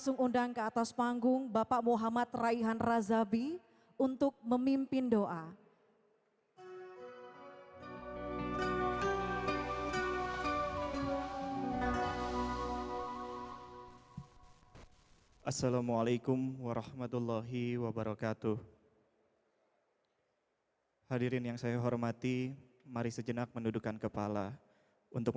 untuk tuhan yang eden